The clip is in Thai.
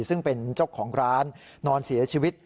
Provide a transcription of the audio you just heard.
ซึ่งเป็นเจ้าของร้านนอนเสียชีวิต